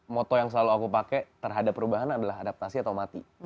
moto yang selalu aku pakai terhadap perubahan adalah adaptasi atau mati